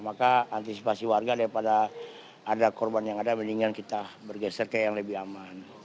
maka antisipasi warga daripada ada korban yang ada mendingan kita bergeser ke yang lebih aman